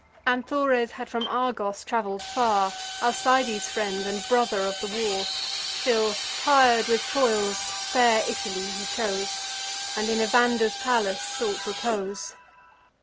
Anthores had from Argos travel'd far, Alcides' friend, and brother of the war; Till, tir'd with toils, fair Italy he chose, And in Evander's palace sought repose.